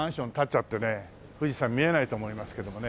富士山見えないと思いますけどもね。